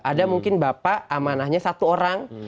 ada mungkin bapak amanahnya satu orang